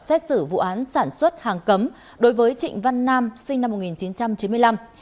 xét xử vụ án sản xuất hàng cấm đối với trịnh văn nam sinh năm một nghìn chín trăm chín mươi năm